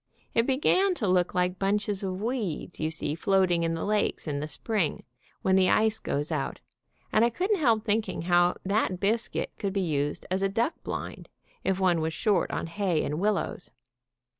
It began to look like bunches of weeds you see floating in the lakes in the spring, when the ice goes out, and I couldn't help thinking how that biscuit could be used as a duck blind, if one was short of hay and willows.